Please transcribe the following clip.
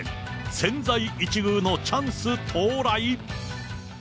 千載一遇のチャンス到来。